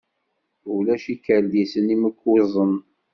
Ulac ikerdisen imkuẓen.